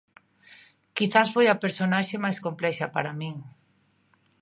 Quizais foi a personaxe máis complexa para min.